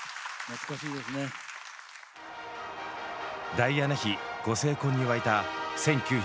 ダイアナ妃ご成婚に沸いた１９８１年。